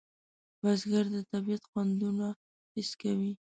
بزګر د طبیعت خوندونه حس کوي